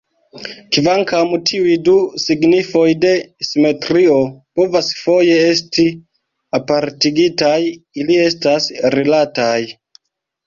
Kvankam tiuj du signifoj de "simetrio" povas foje esti apartigitaj, ili estas rilataj.